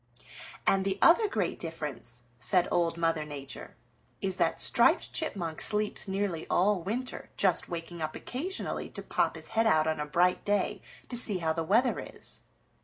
"And the other great difference," said Old Mother Nature, "is that Striped Chipmunk sleeps nearly all winter, just waking up occasionally to pop his head out on a bright day to see how the weather is.